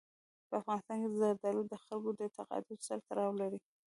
په افغانستان کې زردالو د خلکو د اعتقاداتو سره تړاو لري.